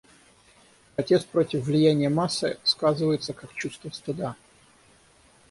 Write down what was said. Протест против влияния массы сказывается как чувство стыда.